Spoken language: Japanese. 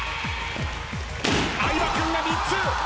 相葉君が３つ！